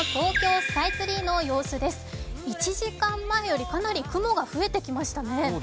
１時間前よりかなり雲が増えてきましたね。